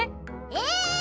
え